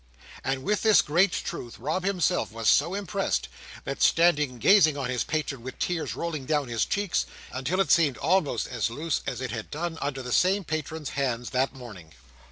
And with this great truth Rob himself was so impressed, that, standing gazing on his patron with tears rolling down his cheeks, he nodded his shiny head until it seemed almost as loose as it had done under the same patron's hands that morning.